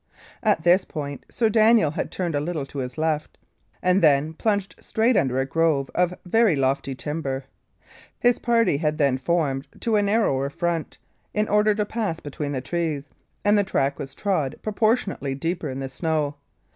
At this point Sir Daniel had turned a little to his left, and then plunged straight under a grove of very lofty timber. His party had then formed to a narrower front, in order to pass between the trees, and the track was trod proportionally deeper in the snow.